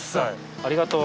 ありがとう。